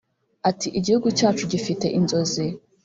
Ati “ Igihugu cyacu gifite inzozi